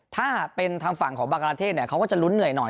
ถ้าเป็นทางฝั่งของบางกราเทศเขาก็จะลุ้นเหนื่อยหน่อย